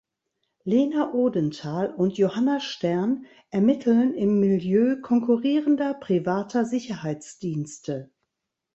Lena Odenthal und Johanna Stern ermitteln im Milieu konkurrierender privater Sicherheitsdienste.